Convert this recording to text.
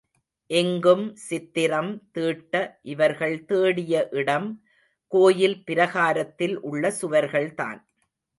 இங்கும் சித்திரம் தீட்ட இவர்கள் தேடிய இடம் கோயில் பிரகாரத்தில் உள்ள சுவர்கள்தான்.